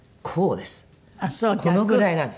このぐらいなんです。